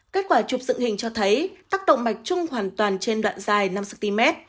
kết quả chụp dựng hình cho thấy tắc động mạch trung hoàn toàn trên đoạn dài năm cm